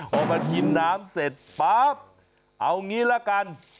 พอมากินน้ำเสร็จปั๊บเอางี้ละกัน